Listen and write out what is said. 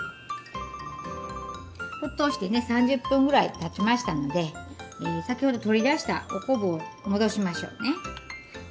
沸騰してね３０分ぐらいたちましたので先ほど取り出したお昆布を戻しましょうね。